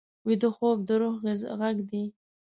ویده خوب د روح غږ دی